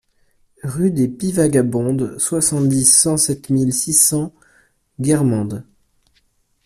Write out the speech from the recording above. Rue des Pies Vagabondes, soixante-dix-sept mille six cents Guermantes